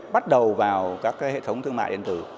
bắt đầu vào các hệ thống thương mại điện tử